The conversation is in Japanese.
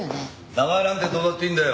名前なんてどうだっていいんだよ。